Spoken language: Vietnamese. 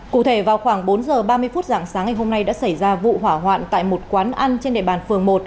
cụ thể vào khoảng bốn giờ ba mươi phút dạng sáng ngày hôm nay đã xảy ra vụ hỏa hoạn tại một quán ăn trên địa bàn phường một